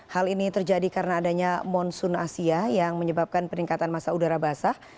hal ini terjadi karena adanya monsoon asia yang menyebabkan peningkatan masa udara basah